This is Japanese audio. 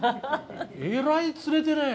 えらい釣れてね。